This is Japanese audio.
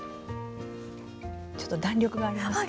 ちょっと弾力がありますか？